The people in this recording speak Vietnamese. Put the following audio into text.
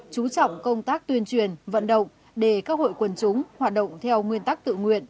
chú trọng công tác tuyên truyền vận động để các hội quần chúng hoạt động theo nguyên tắc tự nguyện